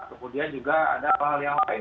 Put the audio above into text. kemudian juga ada hal hal yang lain